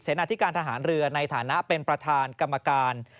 หน้าที่การทหารเรือในฐานะเป็นประธานกรรมการ